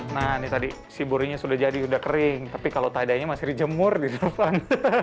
nah ini tadi si burinya sudah jadi sudah kering tapi kalau tidainya masih dijemur di depan